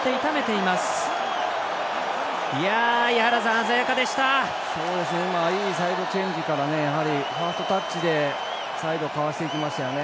いいサイドチェンジからファーストタッチでサイド、かわしていきましたよね。